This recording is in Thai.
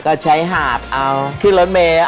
ก็ใช้หาบเอาคือรถเมคนิด